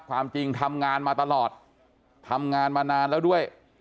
ความจริงทำงานมาตลอดทำงานมานานแล้วด้วย